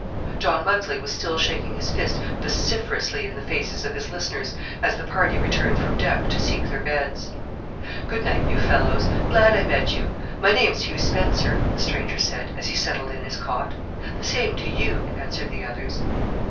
John Muggsley was still shaking his fist vociferously in the faces of his listeners as the party returned from deck to seek their beds. "Good night, you fellows. Glad I met you. My name's Hugh Spencer," the stranger said, as he settled in his cot. "The same to you!" answered the others.